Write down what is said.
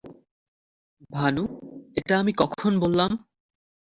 ভানু, এটা আমি কখন বললাম?